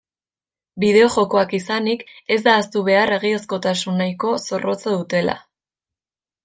Bideo-jokoak izanik, ez da ahaztu behar egiazkotasun nahiko zorrotza dutela.